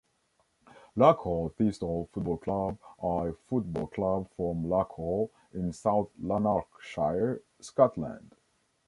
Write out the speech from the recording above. Larkhall Thistle Football Club are a football club from Larkhall, in South Lanarkshire, Scotland.